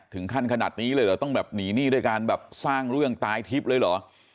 ถึงขั้นขนาดนี้เลยเหรอต้องแบบหนีหนี้ด้วยการแบบสร้างเรื่องตายทิพย์เลยเหรอ